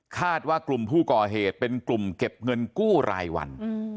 ว่ากลุ่มผู้ก่อเหตุเป็นกลุ่มเก็บเงินกู้รายวัน